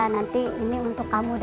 nanti ini untuk kamu